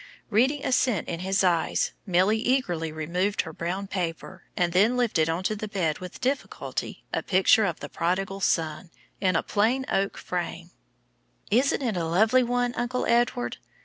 Reading assent in his eyes, Milly eagerly removed her brown paper, and then lifted on to the bed with difficulty a picture of the Prodigal Son, in a plain oak frame. "Isn't it a lovely one, Uncle Edward?